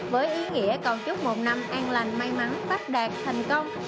với ý nghĩa còn chúc một năm an lành may mắn bắt đạt thành công